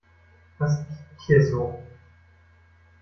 Was piept hier so?